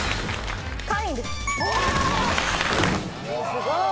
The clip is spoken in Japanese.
すごーい！